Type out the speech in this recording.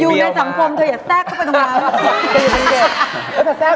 อยู่ในสังคมเธออย่าแทรกเข้าไปตรงนั้น